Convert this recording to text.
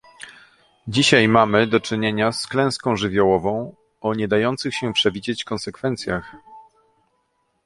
Dzisiaj mamy do czynienia z klęską żywiołową o niedających się przewidzieć konsekwencjach